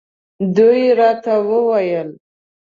دوی راته وویل.